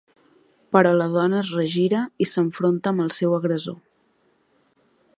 Però la dona es regira i s'enfronta amb el seu agressor.